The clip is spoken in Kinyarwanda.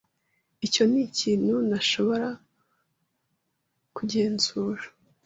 Icyo nikintu ntashobora kugenzura.